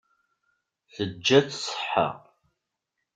Teǧǧa-tt ṣṣeḥḥa.